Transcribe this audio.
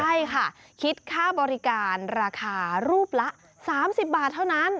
ใช่ค่ะคิดค่าบริการราคารูปละ๓๐บาทเท่านั้น